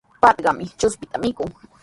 Patrkami chuspita mikun.